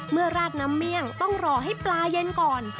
ราดน้ำเมี่ยงต้องรอให้ปลาเย็นก่อน